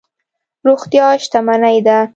روغتیا شتمني ده.